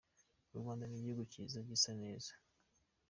U Rwanda ni igihugu cyiza gisa neza.